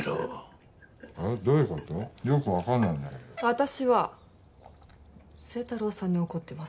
私は星太郎さんに怒ってます。